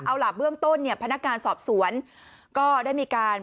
เอาล่ะเบื้องต้นเนี่ยพนักงานสอบสวนก็ได้มีการ